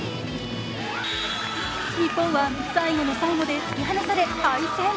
日本は最後の最後で突き放され、敗戦。